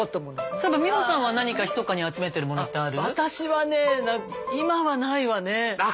そういえば美穂さんは何かひそかに集めてるものってある？